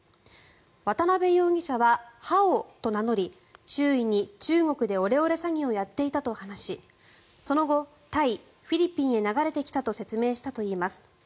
渡邉容疑者はハオと名乗り周囲に、中国でオレオレ詐欺をやっていたと話しその後、タイ、フィリピンへ流れてきたと説明したといいます。